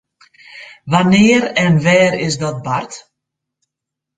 Wannear en wêr is dat bard?